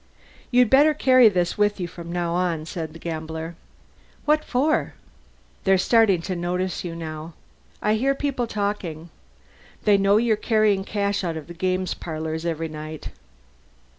"You'd better carry this with you from now on," the gambler said. "What for?" "They're starting to notice you now. I hear people talking. They know you're carrying cash out of the game parlors every night."